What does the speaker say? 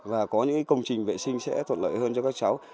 và có những công trình vệ sinh sẽ thuận lợi hơn cho các cháu